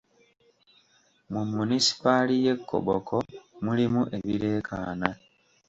Mu munisipaali ye Koboko mulimu ebireekaana.